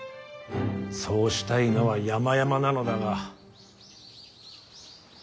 そうしたいのはやまやまなのだが。